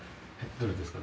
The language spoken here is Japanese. どれですか？